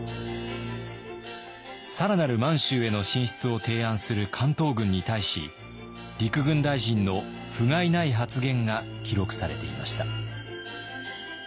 更なる満州への進出を提案する関東軍に対し陸軍大臣のふがいない発言が記録されていました。